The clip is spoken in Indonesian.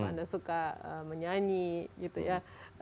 anda suka menyanyi gitu ya